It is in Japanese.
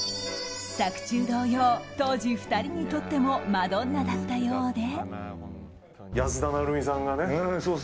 作中同様、当時２人にとってもマドンナだったようで。